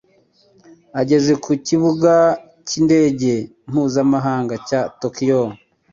Ageze ku Kibuga cy’indege mpuzamahanga cya Tokiyo.